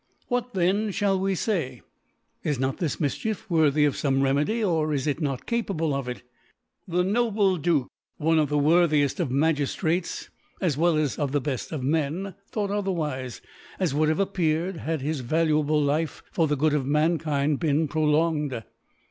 What then flxall we fay ? Is not this Mif ..chief worthy of fome Remedy, or is it not capable of ii ? The noble Dakc (one of tfce . worthieft of Magiftrates as well as of the beft of Men) thought otherwife, as would have appeared, had his. valuable Life, for the Good of Mankind, been prolonged.